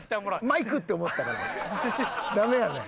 「マイク！」って思ったからダメやねん。